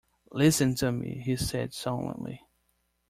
"Listen to me," he said solemnly.